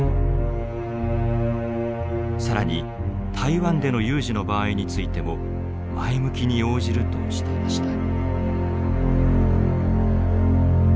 更に台湾での有事の場合についても前向きに応じるとしていました。